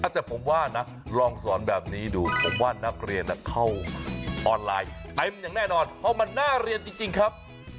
แต่ผมว่านะลองสอนแบบนี้ดูผมว่านักเรียนเข้าออนไลน์เต็มอย่างแน่นอนเพราะมันน่าเรียนจริงครับ